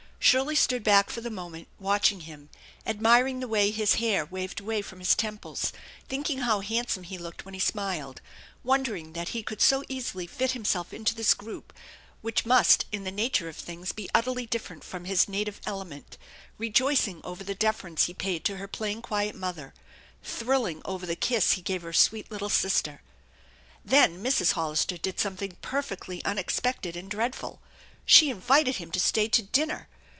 Shirley stood back for the moment watching him, admiring the way his hair waved away from his temples, thinking how handsome he looked when he smiled, wondering that he could so easily fit himself into this group, which must in the nature of things be utterly different from his native element, rejoicing over the deference he paid to her plain, quiet mother, thrilling over the kiss he gave her sweet little sister. Then Mrs. Hollister did something perfectly unexpected and dreadful she invited him to stay to dinner!